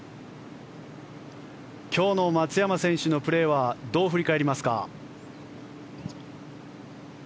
今日の松山選手のプレーはどう振り返りますか？